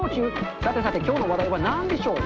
さてさてきょうの話題はなんでしょう？